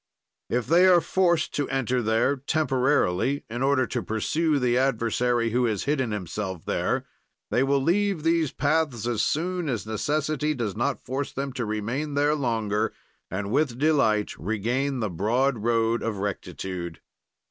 If they are forced to enter there temporarily, in order to pursue the adversary, who has hidden himself there, they will leave these paths as soon as necessity does not force them to remain there longer and with delight regain the broad road of rectitude.